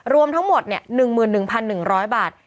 รวมทั้งหมดเนี่ย๑๑๑๐๐บาท